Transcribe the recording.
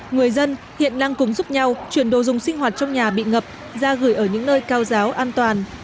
người dân hiện đang cùng giúp nhau chuyển đồ dùng sinh hoạt trong nhà bị ngập ra gửi ở những nơi cao giáo an toàn